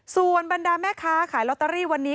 ส่วนบรรดาแม่ค้าขายลอตเตอรี่วันนี้